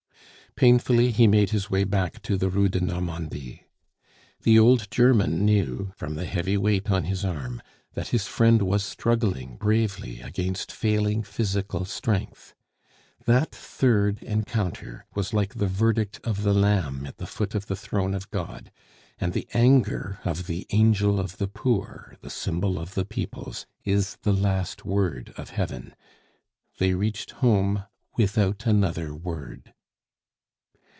Painfully he made his way back to the Rue de Normandie. The old German knew from the heavy weight on his arm that his friend was struggling bravely against failing physical strength. That third encounter was like the verdict of the Lamb at the foot of the throne of God; and the anger of the Angel of the Poor, the symbol of the Peoples, is the last word of Heaven. They reached home without another word.